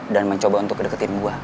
dan mencoba untuk deketin gue